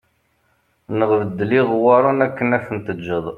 Neɣ beddel iɣewwaṛen akken ad ten-teǧǧeḍ